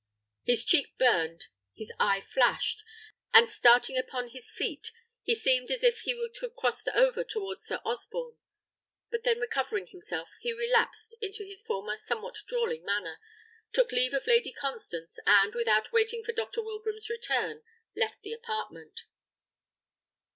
His cheek burned, his eye flashed, and, starting upon his feet, he seemed as if he would have crossed over towards Sir Osborne; but then recovering himself, he relapsed into his former somewhat drawling manner, took leave of Lady Constance, and, without waiting for Dr. Wilbraham's return, left the apartment.